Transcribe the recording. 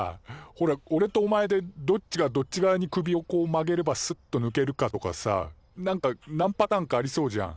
ほらおれとお前でどっちがどっち側に首をこう曲げればスッとぬけるかとかさなんかなんパターンかありそうじゃん。